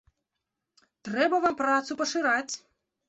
Трэба вам працу пашыраць!